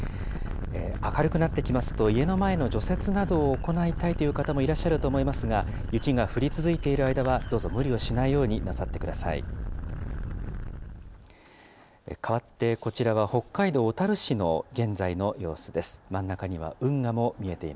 明るくなってきますと、家の前の除雪などを行いたいという方もいらっしゃると思いますが、雪が降り続いている間は、どうぞ無理をしないようになさってください。